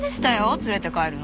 連れて帰るの。